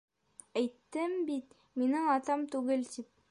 Әйттем бы минең атам түгел тип!